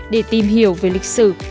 để tìm hiểu về lịch sử